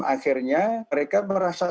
akhirnya mereka merasa